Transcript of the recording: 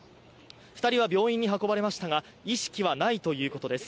２人は病院に運ばれましたが、意識はないということです。